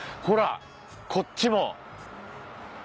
ほらこっちも。